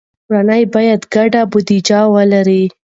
کورنۍ باید ګډه بودیجه ولري.